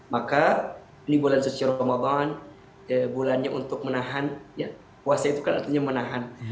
maka ini bulan suci ramadan bulannya untuk menahan puasa itu kan artinya menahan